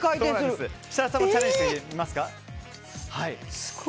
設楽さんもチャレンジしてみますか。